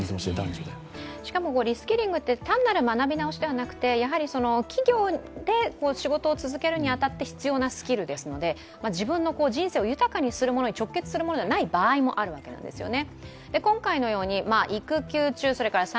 しかもリスキリングって単なる学び直しじゃなくて企業で仕事を続けるに当たって必要なスキルですので、自分の人生を豊かにするものに直結するものではない場合もあるわけですよね。